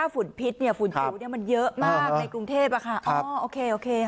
ภูมิผิดภูมิผิวมันเยอะมากในกรุงเทพค่ะโอเคค่ะ